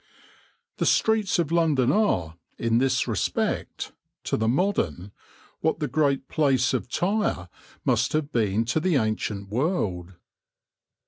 The streets of London are, in this respect, to the modern, what the great Place of Tyre must have been to the ancient world.